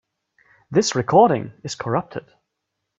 This recording is corrupted.